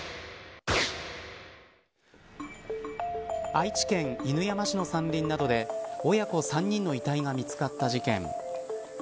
愛知県犬山市の山林などで親子３人の遺体が見つかった事件。